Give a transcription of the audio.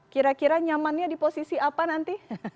kira kira nyamannya di posisi apa nanti